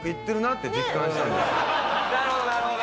なるほどなるほど。